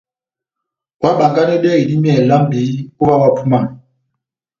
Óhábánganedɛhɛ idímiyɛ lambi ó ová ohápúmanɔ !